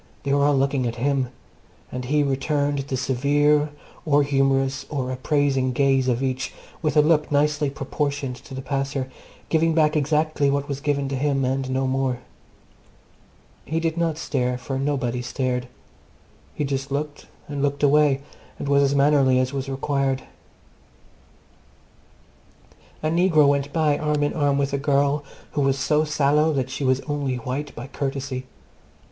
They were all looking at him; and he returned the severe, or humourous, or appraising gaze of each with a look nicely proportioned to the passer, giving back exactly what was given to him, and no more. He did not stare, for nobody stared. He just looked and looked away, and was as mannerly as was required. A negro went by arm in arm with a girl who was so sallow that she was only white by courtesy.